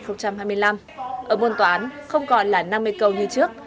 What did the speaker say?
ở môn toán không còn là năm mươi câu như trước